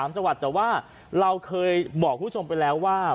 ๓จังหวัดแต่ว่าเราเคยบอกคุณผู้ชมไปแล้วว่า